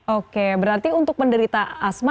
oke berarti untuk menderita asma